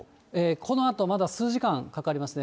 このあとまだ数時間かかりますね。